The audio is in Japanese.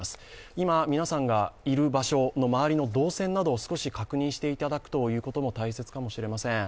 今皆さんがいる場所の動線などを少し確認していただくということも大切かもしれません。